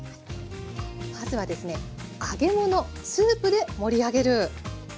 まずはですね「揚げ物・スープで盛り上げる」。